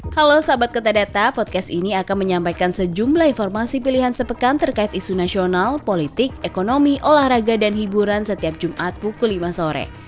kalau sahabat kata podcast ini akan menyampaikan sejumlah informasi pilihan sepekan terkait isu nasional politik ekonomi olahraga dan hiburan setiap jumat pukul lima sore